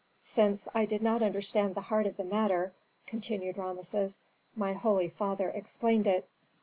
"Since I did not understand the heart of the matter," continued Rameses, "my holy father explained it.